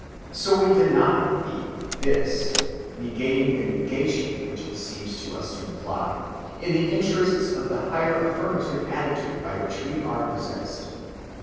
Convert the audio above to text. So we deny the "this," negating the negation which it seems to us to imply, in the interests of the higher affirmative attitude by which we are possessed.